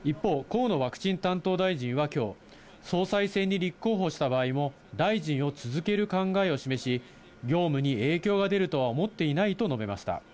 一方、河野ワクチン担当大臣はきょう、総裁選に立候補した場合も、大臣を続ける考えを示し、業務に影響が出るとは思っていないと述べました。